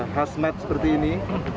khas mat seperti ini